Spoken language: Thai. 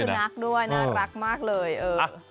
เหมือนลูกสุนัขด้วยน่ารักมากเลยเออ